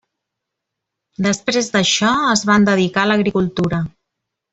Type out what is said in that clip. Després d'això, es van dedicar a l'agricultura.